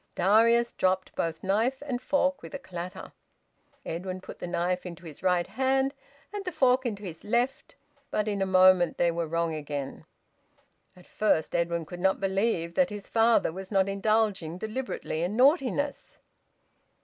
Darius dropped both knife and fork with a clatter. Edwin put the knife into his right hand, and the fork into his left; but in a moment they were wrong again. At first Edwin could not believe that his father was not indulging deliberately in naughtiness.